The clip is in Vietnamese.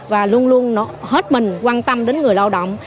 và luôn luôn hết mình quan tâm đến người lao động